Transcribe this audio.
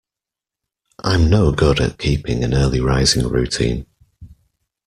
I'm no good at keeping an early rising routine.